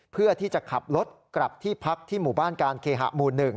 เพื่อที่จะขับรถกลับที่พักที่หมู่บ้านการเคหะหมู่๑